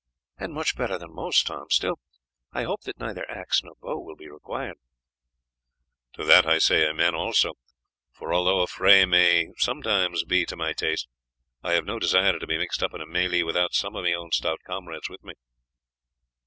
"And much better than most, Tom; still, I hope that neither axe nor bow will be required." "To that I say amen also; for, although a fray may sometimes be to my taste, I have no desire to be mixed up in a mêlée without some of my own stout comrades with me."